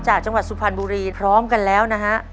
จังหวัดสุพรรณบุรีพร้อมกันแล้วนะฮะ